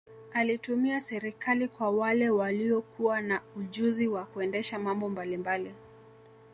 Alitumia serikali kwa wale walio kuwa na ujuziwa kuendesha mambo mbalimbali